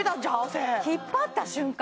背引っ張った瞬間